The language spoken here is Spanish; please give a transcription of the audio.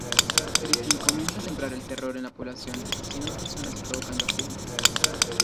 Griffin comienza a sembrar el terror en la población, asesinando personas y provocando accidentes.